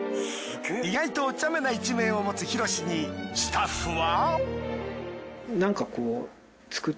意外とおちゃめな一面を持つヒロシにスタッフは。